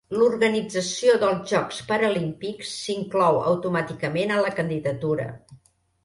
L'organització dels Jocs Paralímpics s'inclou automàticament a la candidatura.